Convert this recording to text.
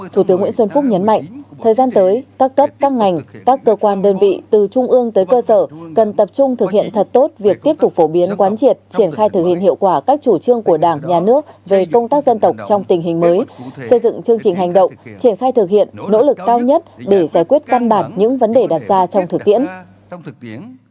thủ tướng nguyễn xuân phúc nhấn mạnh thời gian tới các cấp các ngành các cơ quan đơn vị từ trung ương tới cơ sở cần tập trung thực hiện thật tốt việc tiếp tục phổ biến quán triệt triển khai thực hiện hiệu quả các chủ trương của đảng nhà nước về công tác dân tộc trong tình hình mới xây dựng chương trình hành động triển khai thực hiện nỗ lực cao nhất để giải quyết căn bản những vấn đề đặt ra trong thực tiễn